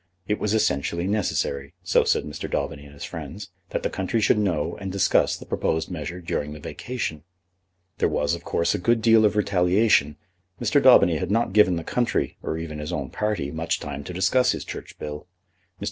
It was essentially necessary, so said Mr. Daubeny and his friends, that the country should know and discuss the proposed measure during the vacation. There was, of course, a good deal of retaliation. Mr. Daubeny had not given the country, or even his own party, much time to discuss his Church Bill. Mr.